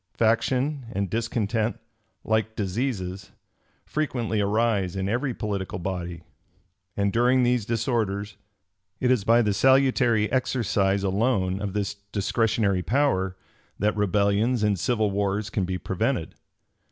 Faction and discontent, like diseases, frequently arise in every political body; and during these disorders, it is by the salutary exercise alone of this discretionary power, that rebellions and civil wars can be prevented.